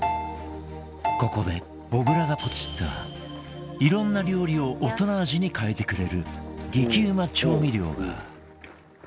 ここで小倉がポチったいろんな料理を大人味に変えてくれる激うま調味料が